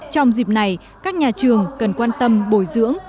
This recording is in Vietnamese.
trong dịp này các nhà trường cần quan tâm bồi dưỡng